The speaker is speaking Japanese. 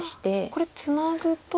これツナぐと。